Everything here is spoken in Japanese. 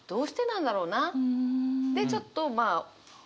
でちょっとまあ。